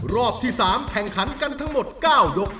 รอบที่๓แข่งขันกันทั้งหมด๙ยก